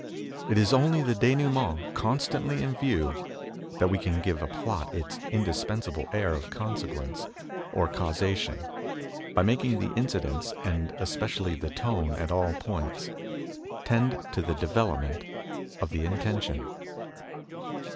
It is only with the dinouemenl constantly in view that we can give a plot its indispensable air of consequence, or causation, by making the incidents, and especially the tone at all points, tend to the development of the intention."